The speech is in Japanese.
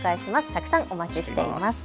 たくさんお待ちしています。